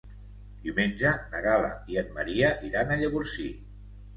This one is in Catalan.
Diumenge na Gal·la i en Maria iran a Llavorsí.